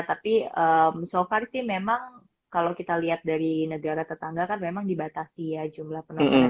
tapi so far sih memang kalau kita lihat dari negara tetangga kan memang dibatasi ya jumlah penonton